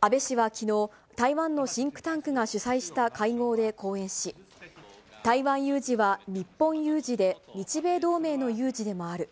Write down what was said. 安倍氏はきのう、台湾のシンクタンクが主催した会合で講演し、台湾有事は日本有事で、日米同盟の有事でもある。